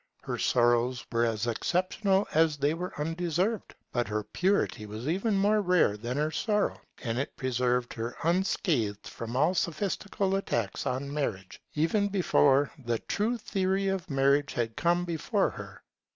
Her sorrows were as exceptional as they were undeserved; but her purity was even more rare than her sorrow; and it preserved her unscathed from all sophistical attacks on marriage, even before the true theory of marriage had come before her.